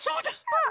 うん！